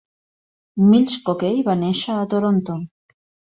Mills-Cockell va nèixer a Toronto.